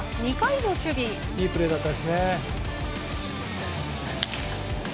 いいプレーでしたね。